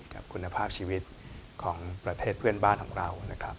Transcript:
กับคุณภาพชีวิตของประเทศเพื่อนบ้านของเรานะครับ